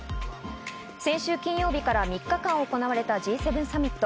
先週金曜日から３日間行われたＧ７サミット。